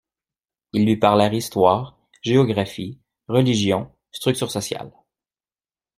ils lui parlèrent histoire, géographie, religion, structures sociales